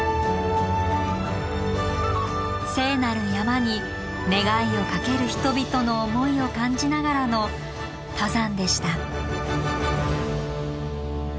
聖なる山に願いをかける人々の思いを感じながらの登山でした。